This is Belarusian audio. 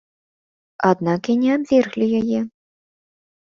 Аднак і не абверглі яе.